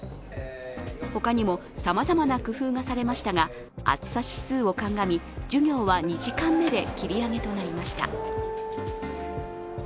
他にもさまざまな工夫がされましたが暑さ指数を鑑み、授業は２時間目で切り上げとなりました。